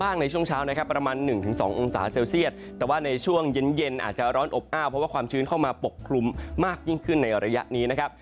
อาจจะร้อนอบอ้าวเพราะว่าความชื้นเข้ามาปกคลุมมากยิ่งขึ้นในระยะนี้นะครับ